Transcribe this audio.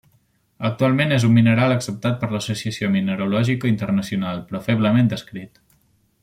Actualment és un mineral acceptat per l'Associació Mineralògica Internacional però feblement descrit.